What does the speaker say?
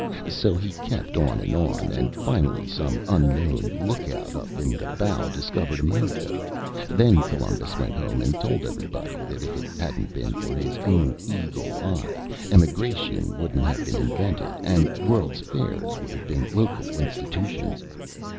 So he kept on and on, and finally some unknown lookout up in the bow discovered America. Then Columbus went home and told everybody that if it hadn't been for his own eagle eye emigration wouldn't have been invented, and world's fairs would have been local institutions.